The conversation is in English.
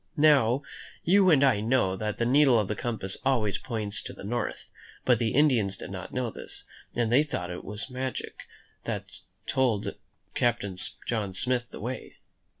Now, you and I know that the needle of a compass points always to the north; but the Indians did not know this, and they thought it was magic that told Captain John Smith the way.